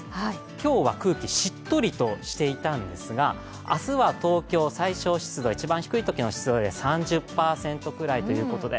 今日は空気、しっとりとしていたんですが、明日は東京、最小湿度、一番低いときの湿度で３０％くらいということで。